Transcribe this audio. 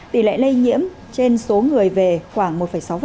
tỷ lệ lây nhiễm trên số người về khoảng một sáu